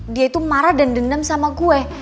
dia itu marah dan dendam sama gue